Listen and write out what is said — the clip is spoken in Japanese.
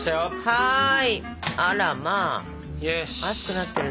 はい。